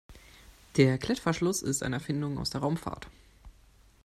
Der Klettverschluss ist eine Erfindung aus der Raumfahrt.